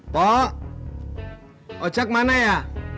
pak ocak mana ya